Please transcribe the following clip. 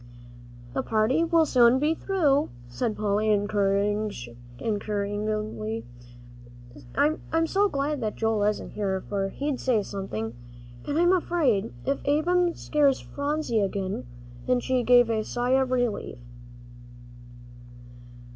"The party will soon be through," said Polly, encouragingly. "I'm so glad that Joel isn't here, for he'd say something, I'm afraid, if Ab'm scares Phronsie again," and she gave a sigh of relief.